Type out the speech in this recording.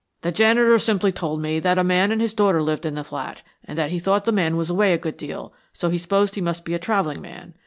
"The janitor simply told me that a man and his daughter lived in the flat, and that he thought the man was away a good deal; so he supposed he must be a traveling man.